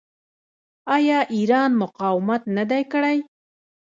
آیا ایران مقاومت نه دی کړی؟